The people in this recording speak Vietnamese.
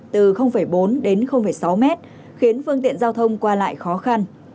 từ bốn đến sáu mét khiến phương tiện giao thông qua lại khó khăn